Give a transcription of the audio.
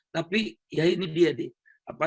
tapi ya ini dia